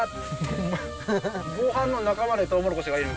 ごはんの中までトウモロコシがいる。